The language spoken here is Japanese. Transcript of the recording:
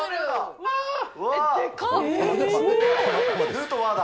ヌートバーだ。